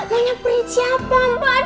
mbak adin siapa